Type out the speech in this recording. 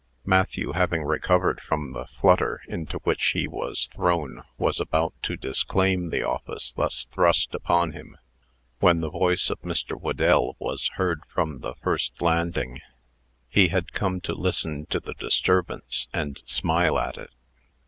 Matthew, having recovered from the flutter into which he was thrown, was about to disclaim the office thus thrust upon him, when the voice of Mr. Whedell was heard from the first landing. He had come to listen to the disturbance, and smile at it.